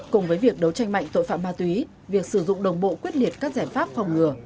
cùng với việc đấu tranh mạnh tội phạm ma túy việc sử dụng đồng bộ quyết liệt các giải pháp phòng ngừa